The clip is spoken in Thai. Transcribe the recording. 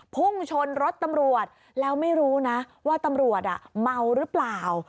พุ่งชนรถตำรวจแล้วไม่รู้นะว่าตำรวจเมาหรือเปล่า